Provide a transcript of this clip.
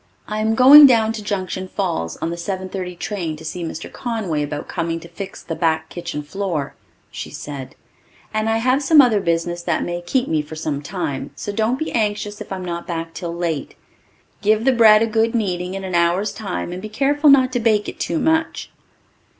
"I'm going down to Junction Falls on the 7:30 train to see Mr. Conway about coming to fix the back kitchen floor," she said, "and I have some other business that may keep me for some time, so don't be anxious if I'm not back till late. Give the bread a good kneading in an hour's time and be careful not to bake it too much."